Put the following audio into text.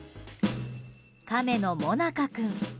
カメの、もなか君。